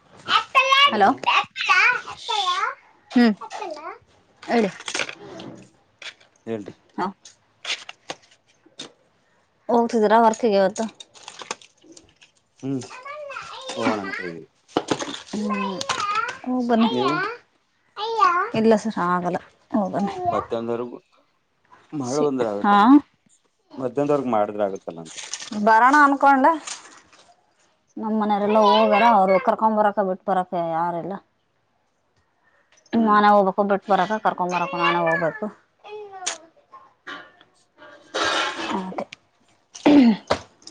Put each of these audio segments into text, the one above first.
[unintelligible] Hello hello. [unintelligible] ಹ್ಮ ಹೇಳ. ಹೇಳ್ರಿ ಹಾ ಹೋಗ್ತಿದೀರಾ ವರ್ಕ್ಗೆ ಇವತ್ತು. ಹ್ಮ್ ಹೋಗಣ ಅಂತ ಇದವಿ. ಹ ಹ ಬನ್ನಿ ನೀವು ಇಲ್ಲ ಸರ್ ಆಗಲ್ಲ ಹೋಗ ಬನ್ನಿ. ಮಧ್ಯಾಹ್ನರ್ ಬು ಮಾಡ ಸಿ ಬಂದ್ರ ಹಾ ಆಗತ್ತ. ಮಧ್ಯಾಹ್ನದ್ ವರ್ಗು ಮಾಡಿದ್ರ ಆಗುತ್ತಲ್ಲ ಅಂತ. ಬರೋಣ ಅನಕೊಂಡೇ. ನಮ್ ಮನೇಯವರೆಲ್ಲ ಹೋಗಾರ ಅವ್ರು ಕರ್ಕ ಬರಕ ಬಿಟ್ಟ ಬರಕ ಯಾರಿಲ್ಲ. ಹ್ಮ್ ನಾನೇ ಹೋಗ್ಬೇಕು ಬಿಟ್ಟು ಬರಕ ಕರ್ಕೊಂಡ್ ಬರಕ ನಾನೆ ಹೋಗ್ಬೇಕು.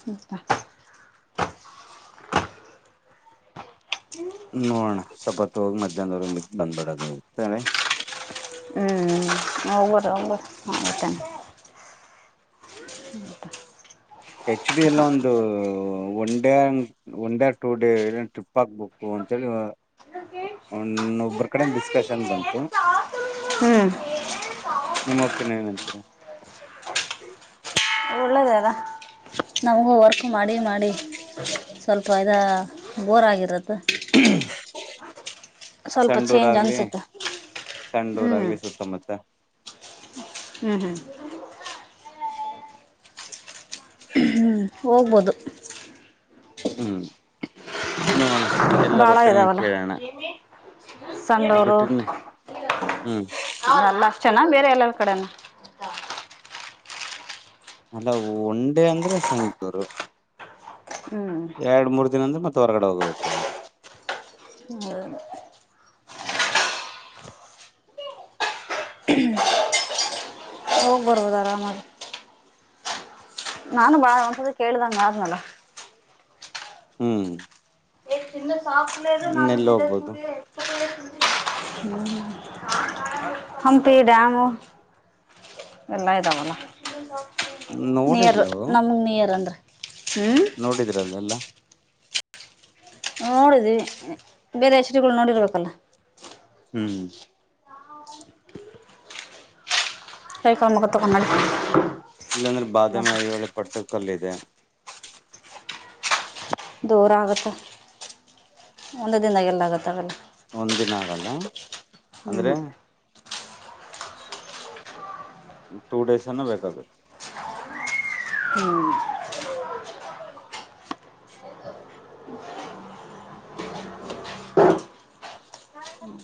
ಹ್ಮ್ ಪ. ನೋಡಣ ಸ್ವಪತ್ತು ಹೋಗ ಮಧ್ಯಾಹ್ನವರೆಗ [unintelligible] ಬಂದ್ಬಿಡೋದ್ ಅಂತೇಳಿ. ಅವರ ಆತಾನೆ. ಹೆಚ್ ಡಿ ಎಲ್ಲಾ ಒಂದು one day one day two day ಏಲ್ಲೆನ ಟ್ರಿಪ್ ಹಾಕ್ಬೇಕು ಅಂತೇಳಿ. ಒನ್ ಒಬ್ರು ಕಡೆಯಿಂದ ಡಿಸ್ಕಷನ್ ಬಂತು. ಹ್ಮ್ ನಿಮ್ಮ ಒಪ್ಪಿನನ ಏನಂತೀರಾ. ಒಳ್ಳದ ಅದಾ. ನಮಗೂ ವರ್ಕ್ ಮಾಡಿ ಮಾಡಿ ಸ್ವಲ್ಪ ಇದ ಬೋರಾಗಿರತ್ತ. [unintelligible] ಸ್ವಲ್ಪ ಸಂಡೂರ ಚೇಂಜ್ ಆಗ್ಲಿ ಅನ್ಸುತ್ತೆ ಸಂಡೂರ ಹ್ಮ್ ಆಗ್ಲಿ ಸುತ್ತಮುತ್ತ ಹ್ಮ್ ಹ್ಮ್ [inaudible] ಹ್ಮ್ ಹೋಗ್ಬೋದು ಹ್ಞ ನೋಡೋಣ ಎಲ್ಲರ ಬಾಳ ಒಪಿನಿಯನ್ ಇದಾವಲ್ಲ ಕೇಳಣ ಯಾರ ಸಂಡೂರು ಬಿಟ್ರ ನೀ ನಾವೆಲ್ಲ ಅಷ್ಟೇನ ಬೇರೆ ಎಲ್ಲರ ಕಡೆನ ಅಲ್ಲ ಒಂಡೆ ಅಂದ್ರೆ ಸಣ್ಣತುರು ಹ್ಮ್ ಯಾಡ್ ಮೂರ್ ದಿನ ಅಂದ್ರೆ ಮತ್ತ ಹೊರಗಡೆ ಹೋಗಬೇಕ ಆಕ್ಕತಿ. ಹ್ಮ ಹೋಗ ಬರ್ಬೋದ ಅರಾಮಾಗಿ. ನಾನು ಭಾಳ ಒಂದ್ಸಲಿ ಕೇಳಿದಂಗ ಮಾಡದ್ನಲ. ಹ್ಮ್ ತಿಂದ್ ಸಾಕಲೆದು ನಾವ ಇನ್ನೆಲ್ಲಿ ವಿಸಿಟದ ಹೋಗ್ಬೋದು ಕುದೆ [unintelligible] ಹಂಪಿ ಡ್ಯಾಮ ಎಲ್ಲಾ ಇದಾವಲ್ಲ ನಿಯರ್ ನೋಡಿರ್ಲ ನಮ್ಗ ನಿಯರ್ ಅಂದ್ರ ಹ್ಞೂ ನೋಡಿದ್ರಲ್ಲ ಎಲ್ಲಾ ನೋಡದ್ವಿ ಬೇರೆ ಎಶ್ರಗಳ ನೋಡಿರ್ಬೇಕಲ್ಲ. ಹ್ಮ್ ಕೈಕಾಲ ಮುಖಾ ತಕ್ಕೊಂಡ ಮಾಡಿ ಕೊಡಿಲ ಇಲ್ಲಾಂದ್ರೆ ಮ ಬಾದಾಮಿ ಐಹೊಳೆ ಪಟ್ಟು ಕಲ್ಲ ಇದೆ. ದೂರಾ ಆಗತ್ತೆ ಒಂದ ದಿನದಾಗ ಎಲ್ಲ ಆಗುತ್ತವೆಲ್ಲ. ಒಂದಿನ ಆಗಲ್ಲ. ಹ್ಮ್ ಟು ಡೇಸ್ ಎನ ಬೇಕ ಅದು. ಹ್ಮ್ [unintelligible]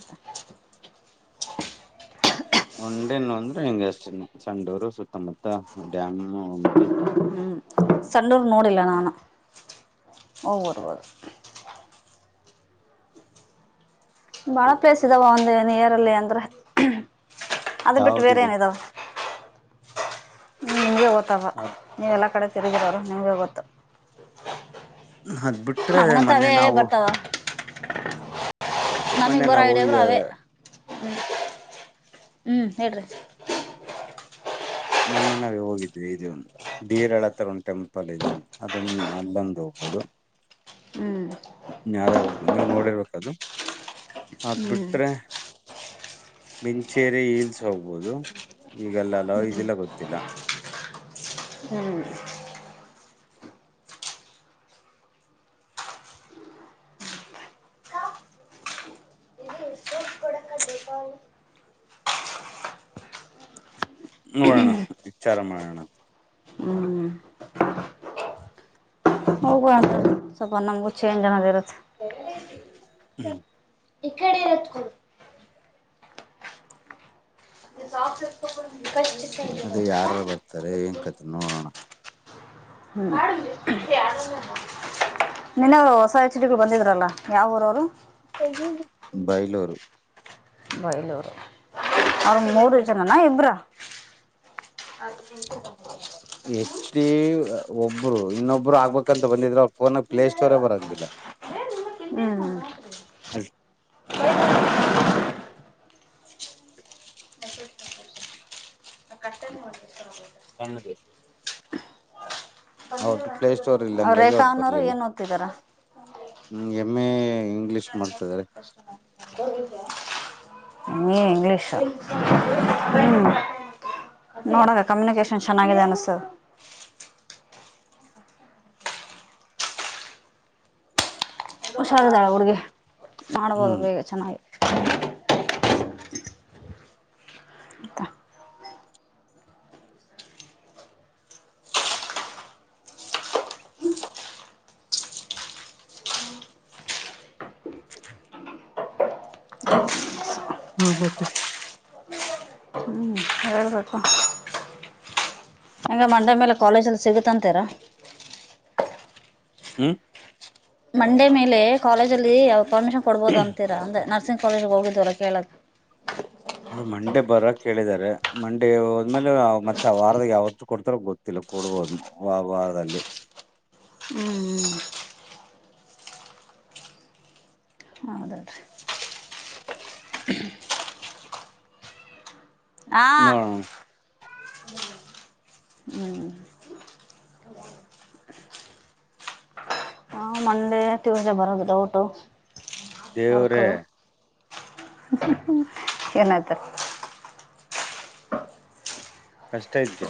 ಒಂಡೆನು ಅಂದ್ರ ನಿಂಗ ಹಚ್ತಿನಿ ಸಂಡೂರು ಸುತ್ತಮುತ್ತ ಡ್ಯಾಮ್ ಹಂಪಿ [unintelligible] ಸಂಡೂರ ನೋಡಿಲ್ಲ ನಾನು ಓಬರಬೇಕ. ಬಾಳ ಪ್ಲೇಸ್ ಇದಾವ ಒಂದ ನಿಯರಲ್ಲಿ ಅಂದ್ರ ಅದ ಬಿಟ್ಟ ಬೇರೆ ಯಾವ್ದಿದೆ ಏನ ಇದಾವ. ನಿಮಗೆ ಗೊತ್ತವ ಅದ್ ನೀವೆಲ್ಲ ಕಡೆ ತಿರಗಿದೊರು ನಿಮಗೆ ಗೊತ್ತ. ಅದ್ ಬಿಟ್ರೆ ನನಗಂತೂ ಮೊನ್ನೆ ಅವೇ ನಾವು ಬರ್ತಾವ. ನನಗ್ ಮೊನ್ನೆ ಬರೋ ನಾವು ಹೋಗಿದ ಐಡಿಯಾಗಳು ಅವೇ ಹ್ಞ ಹ್ಞೂ ಹೇಳ್ರಿ. ಮೊನ್ನೆ ನಾವೇ ಹೋಗಿದ್ವಿ ಇದ ಒಂದ ಡಿರಳ ಹತರ ಒಂದ ಟೆಂಪಲ್ ಇದೆ ಅದನ್ನ ಅಲ್ಲೊಂದು ಹೋಗ್ಬಹುದು. ಹ್ಮ್ ಯಾರ್ಯಾರ್ ನೀವ್ ನೋಡಿರ್ಬೇಕದು ಅದ ಹ್ಮ್ ಬಿಟ್ರೆ ಮಿಂಚೇರಿ ಹಿಲ್ಸ್ ಹೋಗ್ಬೋದು ಈಗ ಅಲ್ಲ ಅಲಾವ ಇದಿಲ ಗೊತ್ತಿಲ್ಲ. ಹ್ಮ್ ನೋಡೋಣ ವಿಚಾರ ಮಾಡಣ. ಹ್ಮ್ ಹೋಗುವಂತ ಸ್ವಪ್ ನಮ್ಗು ಚೇಂಜ್ ಅನದ ಇರುತ್ತ. [unintelligible] [unintelligible] ಈ ಕಡೆ ಎತ್ಕೊ ನಿನ್ ಸಾಕ್ಸ್ ಎತ್ಕೊಂಡ್ ಬಂದಿ ಬಿಸಾಕ್ತೀನಿ ಅದೇ ಯಾರ್ಯಾರು ಬರ್ತಾರೆ ಏನ್ ಕತೆ ನೋಡೋಣ ಹೂ ನೆನ್ನೆ ಹೊಸ ಎಚ್ಡಿಗಳು ಬಂದಿದ್ರಲ್ಲಾ ಯಾವೂರು ಬೈಲೂರು ಬೈಲೂರು ಅವರು ಮೂರು ಜನಾನ ಇಬ್ಬರ ಅದು ಹೆಚ್ ಡಿ ಒಬ್ರು ಇನ್ನೊಬ್ರು ಆಗ್ಬೇಕಂತ ಬಂದಿದ್ರ ಅವ್ರ ಫೋನಾಗ ಪ್ಲೇ ಸ್ಟೋರ್ ಬರಂಗಿಲ್ಲ ಹೂ ಹಲ್ ಕಷ್ಟನೇ [unintelligible] ಅವರದು ಪ್ಲೇ ಸ್ಟೋರ್ ಇಲ್ಲ ಅವ್ರ ಹಂಗಾಗಿ ರೇಖಾ ಅವ್ರು ಅನ್ನೋರು ಬರ್ಲಿಲ್ಲ ಏನ್ ಓದ್ತಿದಾರ ಹೂ ಎಮ್ ಎ ಇಂಗ್ಲೀಷ್ ಮಾಡ್ತಾ ಇದ್ದಾರೆ [unintelligible] ಏ ಇಂಗ್ಲಿಷ್ ಹ್ಮ್ ನೋಡೋಣ ಕಮ್ಯೂನಿಕೇಶನ್ ಚೆನ್ನಾಗಿದೆ ಅನ್ಸುತ್ತೆ ಹುಷಾರಾಗಿದ್ದಾಳ ಹುಡುಗಿ ಮಾಡ್ಬೋದು ಹ್ಮ್ ಬೇಗ ಚೆನ್ನಾಗಿ ಅಂತ ಹೂ ಮತ್ತೆ ಹೂ ಹೇಳ್ಬೇಕು ಅಂಗೆ ಮಂಡ್ಯ ಮೇಲೆ ಕಾಲೇಜ್ ಅಲ್ಲಿ ಸಿಗುತಂತಿರಾ ಹೂ ಮಂಡೇ ಮೇಲೆ ಕಾಲೇಜಲ್ಲಿ ಪರ್ಮಿಷನ್ ಕೊಡ್ಬಹುದು ಅಂತೀರಾ ಅಂದೆ ನರ್ಸಿಂಗ್ ಕಾಲೇಜಿಗೆ ಹೋಗಿದ್ದೀರಾ ಕೇಳಕ್ಕ ಅದು ಮಂಡೆ ಬರೋಕೆ ಹೇಳಿದರೆ ಮಂಡೆ ಆದ್ಮೇಲೆ ಮತ್ತೆ ವಾರದಾಗ ಯಾವತ್ತು ಕೊಡ್ತಾರ ಗೊತ್ತಿಲ್ಲ ಕೊಡಬಹುದು ಆ ವಾರದಲ್ಲಿ ಹೂ ಹೌದಲ್ರಿ ಆ ನೋಡೋಣ ಹೂ ಟೊಯೋಟಿವಿಂದ ಬರೋ ಡೌಟು ಹೊರ್ಕ ದೇವ್ರೇ ಏನಾಯ್ತು ಕಷ್ಟ ಇದೆ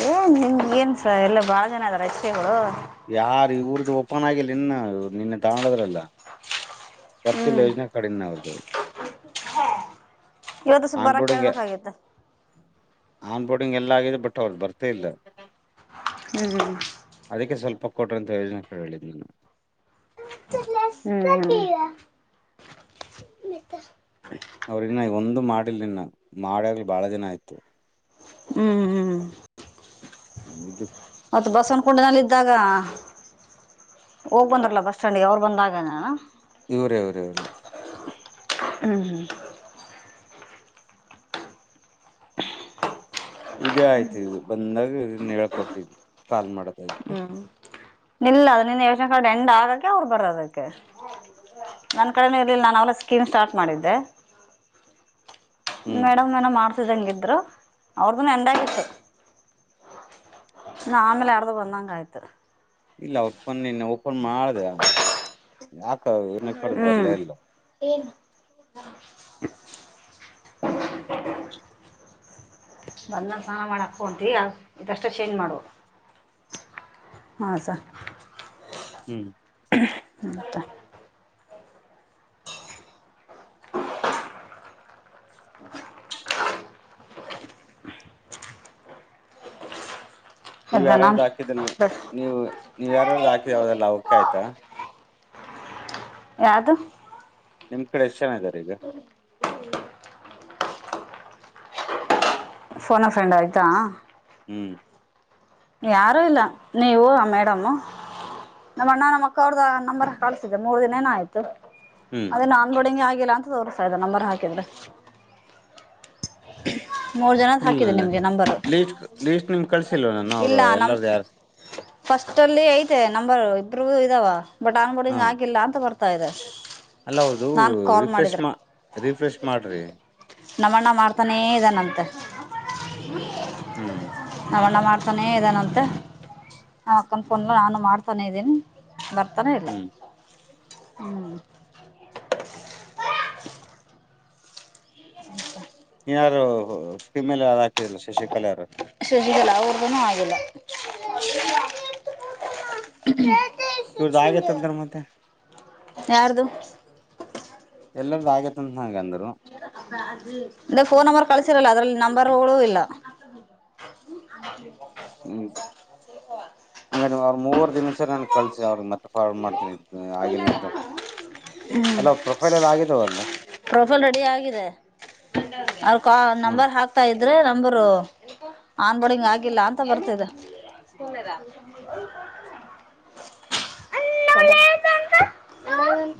ಹೋಗು ಏನ್ ಬಹಳ ಜನ ಇದೆ ಎಚ್ ಪಿ ಗಳು ಯಾರು ಈ ಊರ್ದು ಓಪನ್ ಆಗಿಲ್ಲ ಇನ್ನ ನಿನ್ನೆ ತಗೊಂಡೋದ್ರಲ್ಲ ಹ್ಞೂ ಬರ್ತಿಲ್ಲ ಯೋಜನೆ ಕಡೆಯಿಂದ ಅವ್ರ್ದು ಇವತ್ತು ಸ್ವಲ್ಪ ಆನ್ ಬರಕ್ಕೆ ಬೋರ್ಡಿಂಗ್ ಹೇಳಬೇಕಾಗಿತ್ತು ಆನ್ ಬೋರ್ಡಿಂಗ್ ಎಲ್ಲ ಆಗಿದೆ ಬಟ್ ಅವರು ಬರ್ತ ಇಲ್ಲ ಹೂ ಅದಕ್ಕೆ ಸ್ವಲ್ಪ ಕೊಡು ಅಂತ ಹೇಳಿದ್ದು ಹೂ ಹೂ ಅವ್ರ ಇನ್ನ ಒಂದು ಮಾಡಿಲ್ಲ ಇನ್ನ ಮಾಡಿ ಆಗಲೇ ಬಾಳ ದಿನ ಆಯ್ತು ಹ್ಮ್ ಹ್ಮ್ [unintelligible] ಮತ್ ಬಸವನಕುಂಡನಲ್ಲಿ ಇದ್ದಾಗ ಹೋಗಿ ಬಂದರಲ್ಲ ಬಸ್ ಸ್ಟ್ಯಾಂಡ್ಗೆ ಅವರು ಬಂದಾಗ [unintelligible] ಇವರೇ ಅವರೇ ಅವರೇ ಹ್ಮ ಹ್ಮ ಇದೇ ಆಯ್ತು ಇದು ಬಂದಾಗ ಇದನ್ ಹೇಳ್ಕೊಟ್ಟಿದ್ ಕಾಲ್ ಮಾಡದು. ಹ್ಮ ನಿಲ್ಲ ನಿನ್ನೆ [unintelligible] ಎಂಡ್ ಆಗಕೆ ಅವ್ರು ಬರದಕ್ಕೆ ನನ್ ಕಡೆನು ಇರ್ಲಿಲ್ಲ ನಾವ್ ಅವಲೆ ಸ್ಕೀಮ್ ಸ್ಟಾರ್ಟ್ ಮಾಡಿದ್ದೆ. ಹ್ಮ್ ಮೇಡಮ್ ಏನ ಮಾಡ್ತಿದಂಗಿದ್ರು ಅವ್ರ್ದುನು ಎಂಡಾಗಿತ್ತು. ನ ಆಮೇಲ್ ಯಾರ್ದೊ ಬಂದಂಗ್ ಆಯ್ತು. ಇಲ್ಲ [unintelligible] ಓಪನ್ ಮಾಡ್ದೆ ಯಾಕ ಏನ ಕಡ್ದ ಬರ್ಲೆ ಇಲ್ಲ. ಏನು? ಬಂದ ಸಾನ ಮಾಡಕ್ಹೊಂಟಿ ಇದಷ್ಟೇ ಚೇಂಜ್ ಮಾಡು. ಹಾ ಸ ಹ್ಮ ಮತ್ತ? ನೀವ್ ಯಾರ್ ಎದ್ದನ ಯಾರ್ದ್ ಹಾಕಿದ್ರಿಲ್ ನೀವು ನೀವು ಯಾರ್ ಯಾರ್ದ್ ಹಾಕಿದವರ್ದೆಲ್ಲ ಓಕೆ ಆಯ್ತಾ? ಯಾವ್ದು? ನಿಮ್ ಕಡೆ ಎಷ್ಟ ಜನ ಇದಾರೆ ಈಗ? ಫೋನ ಅ ಫ್ರೆಂಡ್ ಆಯ್ತಾ? ಹ್ಮ ಯಾರು ಇಲ್ಲ ನೀವು ಆ ಮೇಡಮು ನಮ್ಮ ಅಣ್ಣ ನಮ್ಮ ಅಕ್ಕ ಅವ್ರ್ದ ನಂಬರ್ ಕಳ್ಸಿದ್ದೆ ಮೂರ್ ದಿನೇನ ಆಯ್ ತು ಹ್ಮ್ ಅದೆನೋ ಆನ್ಬೋಡಿಂಗೆ ಆಗಿಲ್ಲ ಅಂತ್ ತೋರ್ಸ್ತಾ ಇದೆ ನಂಬರ್ ಹಾಕಿದ್ರೆ? ಮೂರ್ ಜನದ್ ಹಾಕಿದೆ ನಿಮ್ಗೆ ನಂಬರ್. ಲೀಸ್ಟ ನಿಮ್ಗ ಕಳ್ಸಿಲ್ವ ನಾನು ಅವರು ಎಲ್ಲರದು ಯಾರ್ದ್ ಫಸ್ಟ ಅಲ್ಲಿ ಐತೆ ನಂಬರ್ ಇಬ್ರುದು ಇದಾವ ಬಟ್ ಹಾ ಆನ್ಬೋಡಿಂಗ್ ಹಾಕಿಲ್ಲ ಅಂತ ಬರ್ತ್ [unintelligible] ಅಲ್ಲ ಅದು ರಿಫ್ರೆಷ್ ಮಾ ರಿಫ್ರೆಶ್ ಮಾಡ್ರಿ. ನಮ್ಮಣ್ಣ ಮಾಡ್ತಾನೆ ಇದಾನಂತೆ. ಹ್ಮ ನಮಣ್ಣ ಮಾಡ್ತಾನೇ ಇದಾನಂತೆ ನಮ್ ಅಕ್ಕನ್ ಫೋನ್ನು ನಾನು ಮಾಡ್ತಾನೆ ಇದ್ದೀನಿ. ಬರ್ತನೆ ಇಲ್ಲ ಹ್ಮ್ ಹ್ಮ [inaudible] ಯಾರು ಫೀಮೇಲ್ ಯಾರೊ ಹಾಕಿದ್ರಲ್ಲ ಶಶಿಕಲ ಅವ್ರು ಶಶಿಕಲಾ ಅವ್ರ್ದುನು ಆಗಿಲ್ಲ. ಇವ್ರದ್ದು ಆಗೇತಂದ್ರ ಮತ್ತೆ ಯಾರ್ದು? ಎಲ್ಲರದು ಆಗ್ಯತ ಅಂತ ನಂಗಂದ್ರು. ಅದೆ ಫೋನ್ ನಂಬರ್ ಕಳಸಿರಲ್ಲ ಅದ್ರಲ್ಲಿ ನಂಬರ್ ಗಳು ಇಲ್ಲ? [inaudible] ಹ್ಮ ಹಂಗಾರೆ ನೀವ್ ಅವ್ರರು ಮೂವರ್ [unintelligible] ನನ್ಗ ಕಳ್ಸಿ ಅವ್ರಿಗೆ ಮತ್ತೆ ಫೋರ್ವರ್ಡ್ ಮಾಡ್ತೀನಿ ಆಗಿಲ್ಲ ಅಂತ. ಹ್ಮ್ ಅಲ್ಲ ಪ್ರೊಫೈಲ್ ಎಲ್ಲ ಆಗಿದಾವಲ್ಲ? ಪ್ರೊಫೈಲ್ ರೆಡಿ ಆಗಿದೆ ಅವ್ಕ ಹ್ಮ್ ನಂಬರ್ ಹಾಕ್ತಾ ಇದ್ರೆ ನಂಬರು ಆನ್ ಬೋರ್ಡಿಂಗ್ ಆಗಿಲ್ಲ ಅಂತ ಬರ್ತಿದೆ. [unintelligible] [unintelligible]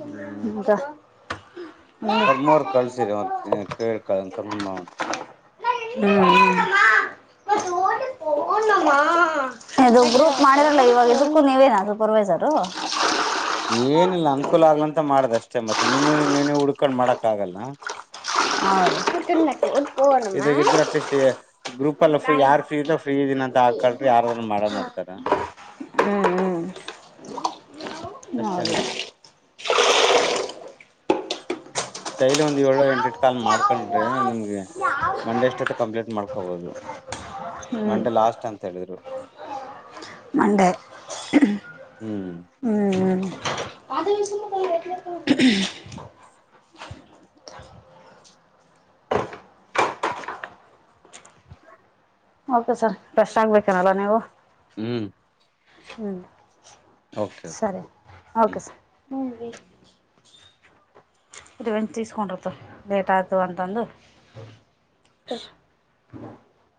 ಹ್ಮ್ ಹಿಂಗ. [unintelligible] ಮೊರ್ ಕಳ್ಸಿರಿ ಅವ್ರು ಕೇಳ್ [unintelligible] ಮಾಡ್ತೀನಿ. ಹ್ಮ್ ಹ್ಮ್. ಇದು ಗ್ರೂಪ್ ಮಾಡಿದರಲ್ಲ ಇವಾಗ ಇದಕ್ಕು ನೀವೇನ ಸೂಪರ್ವೈಸರು. ಏನಿಲ್ಲ ಅನುಕೂಲ ಆಗ್ಲಂತ ಮಾಡದಷ್ಟೇ ಮತ್ತೆ ನಿಮ ನೀವನೇ ಹುಡ್ಕೊಂಡ್ ಮಾಡಕ್ ಆಗಲ್ಲ. ಹೌದ. [unintelligible] ಇದಾಗ ಇದ್ರೆ ಅಟ್ಲೀಸ್ಟೇ. ಗ್ರೂಪ್ ಅಲ್ಲೂ ಫ್ರೀ ಹ್ಮ್ ಯಾರ್ ಫ್ರೀ ಇದ ಫ್ರೀ ಇದೀನ ಅಂತ ಹಾಕಲ್ರಿ ಯಾರದ್ರ ಮಾಡ ಮಾಡ್ತಾರ. ಹ್ಮ್ ಹ್ಮ್. ಎಷ್ಟನೆ. ಡೈಲಿ ಒಂದ್ ಏಳ ಎಂಟಟೆ. ಕಾಲ್ ಮಾಡ್ಕೊಂಡ್ರೆ ನಿಮ್ಗೆ ಮಂಡೇ ಅಷ್ಟತ್ತ ಕಂಪ್ಲೀಟ್ ಮಾಡ್ಕೊಬೋದು. ಹ್ಮ್ ಮಂಡೆ ಲಾಸ್ಟ್ ಅಂತ ಹೇಳಿದ್ರು. ಮಂಡೆ. ಹ್ಮ್ ಹ್ಮ್ ಹ್ಮ್. [unintelligible] ಹೌದಾ ಸರ್ ಫ್ರೆಶ್ ಆಗ್ಬೇಕೇನಲ್ಲ ನೀವು. ಹ್ಮ್ ಹ್ಮ ಓಕೆ ಸರಿ ಹ್ಮ್ ಓಕೆ ಸರ್. [unintelligible] ಇದುವೆನ್ಚ ತಿಸ್ಕೊಂಡಿರ್ತ ಲೇಟ್ ಆಗ್ತದಂತ ಅಂದು.